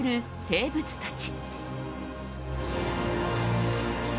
生物たち。